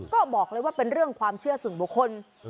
ก็บอกเลยว่าเป็นเรื่องความเชื่อส่วนบุคคล